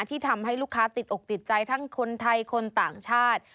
ที่ทำให้ลูกค้าติดอกติดใจทั้งคนไทยคนต่างชาติ